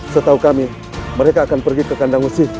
setau kami mereka akan pergi ke kandang usih